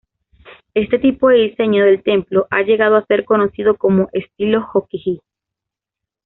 Este tipo de diseño del templo ha llegado a ser conocido como "estilo Hōki-ji".